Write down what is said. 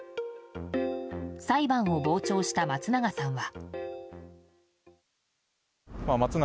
裁判を傍聴した松永さんは。